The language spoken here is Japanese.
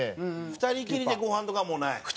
２人きりでごはんとかはもうない？